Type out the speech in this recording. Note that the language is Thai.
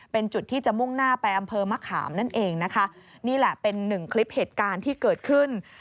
เป็นจุดที่จะมุ่งหน้าไปอำเภอมะขามนั่นเองนะคะนี่แหละเป็นหนึ่งคลิปเหตุการณ์ที่เกิดขึ้น